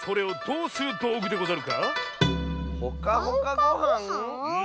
うん。